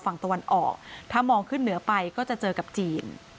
ฝั่งตะวันออกถ้ามองขึ้นเหนือไปก็จะเจอกับจีน